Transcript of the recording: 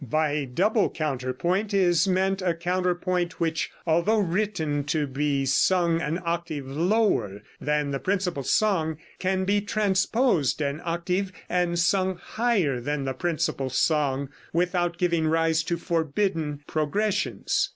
By "double counterpoint" is meant a counterpoint which, although written to be sung an octave lower than the principal song, can be transposed an octave and sung higher than the principal song without giving rise to forbidden progressions.